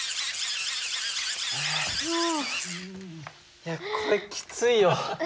いやこれきついよ。